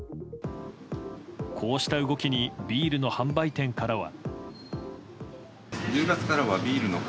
こうした動きにビールの販売店からは。